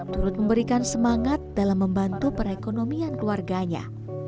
turut memberikan semangat dalam membantu perekonomian keluarganya